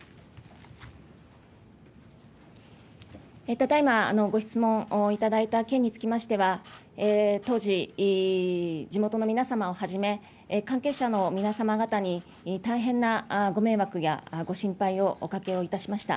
ただいまご質問いただいた件につきましては、当時、地元の皆様をはじめ、関係者の皆様方に、大変なご迷惑やご心配をおかけをいたしました。